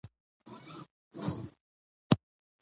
موږ باید یو بل ته متقابل درناوی ولرو